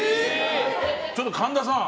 ちょっと神田さん。